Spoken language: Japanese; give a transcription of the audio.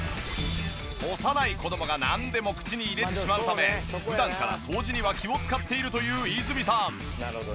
幼い子供がなんでも口に入れてしまうため普段から掃除には気を使っているという和泉さん。